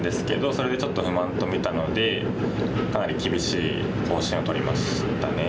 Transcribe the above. それでちょっと不満と見たのでかなり厳しい方針をとりましたね。